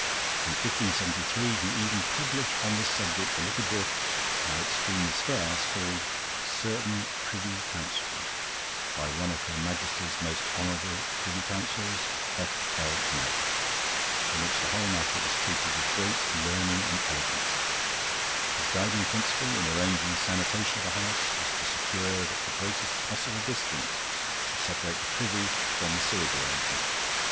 In 1573 he even published, on this subject, a little book now extremely scarce called, 'Certaine Priuy Counsels' by 'One of Her Maiestie's Most Honourable Priuy Counsels, F.L. Knight', in which the whole matter is treated with great learning and elegance. His guiding principle in arranging the sanitation of a house was to secure that the greatest possible distance should separate the privy from the sewage arrangements.